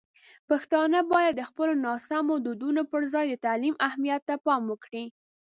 پښتانه باید د خپلو ناسمو دودونو پر ځای د تعلیم اهمیت ته پام وکړي.